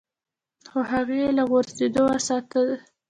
خو هغه يې له غورځېدو وساته.